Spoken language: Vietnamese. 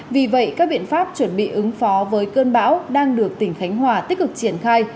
vì vậy các biện pháp chuẩn bị ứng phó với cơn bão đang được tỉnh khánh hòa tích cực triển khai